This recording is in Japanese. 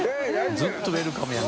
ずっとウエルカムやな。